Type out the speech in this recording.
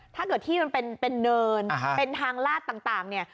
ถ้าเกิดที่มันเป็นเนินเป็นทางลาดต่างเนี่ย